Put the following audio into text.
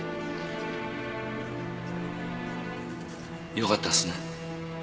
良かったっすね。